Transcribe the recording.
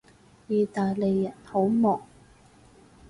意大利人好忙